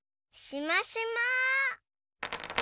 しましま。